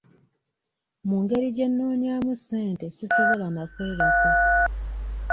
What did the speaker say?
Mu ngeri gye nnoonyaamu ssente sisobola na kwebaka.